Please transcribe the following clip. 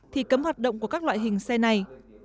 thì cấm hoạt động của các loại hình xe này